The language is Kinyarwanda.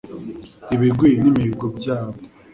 ibigwi n'imihigo byabo